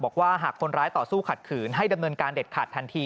บอกว่าหากคนร้ายต่อสู้ขัดขืนให้ดำเนินการเด็ดขาดทันที